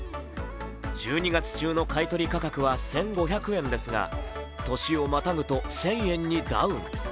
１２月中の買い取り価格は１５００円ですが年をまたぐと１０００円にダウン。